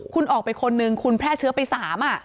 คุณออกไปคนนึงคุณแพร่เชื้อไป๓